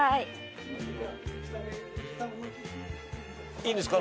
いいんですか？